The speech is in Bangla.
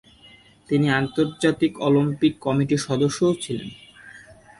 তিনি আন্তর্জাতিক অলিম্পিক কমিটির সদস্যও ছিলেন।